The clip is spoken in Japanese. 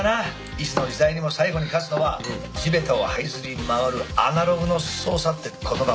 いつの時代にも最後に勝つのは地べたを這いずり回るアナログの捜査って事だな。